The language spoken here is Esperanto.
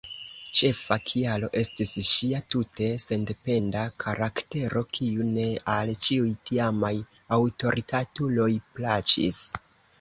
Ĉefa kialo estis ŝia tute sendependa karaktero, kiu ne al ĉiuj tiamaj aŭtoritatuloj plaĉis.